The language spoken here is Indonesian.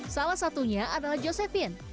salah satunya adalah josephine